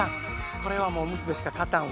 これはもう娘しか勝たんわ。